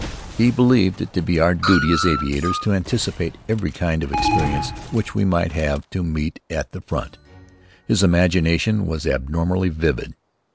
He believed it to be our duty as aviators to anticipate every kind of experience which we might have to meet at the front. His imagination was abnormally vivid.